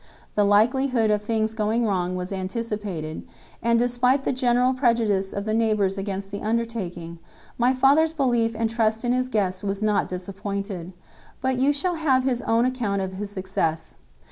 The likelihood of things going wrong was anticipated, and despite the general prejudice of the neighbours against the undertaking, my father's belief and trust in his guests was not disappointed. But you shall have his own account of his success.